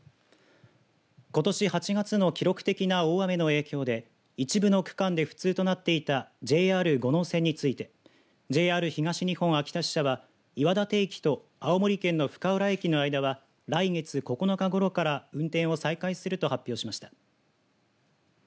ことし８月の記録的な大雨の影響で一部の区間で不通となっていたＪＲ五能線についてＪＲ東日本秋田支社は岩館駅と青森駅の深浦駅駅の間は来月９日ごろから運転を再開すると発表しました。